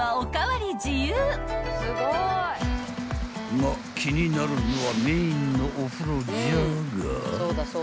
［が気になるのはメインのお風呂じゃが］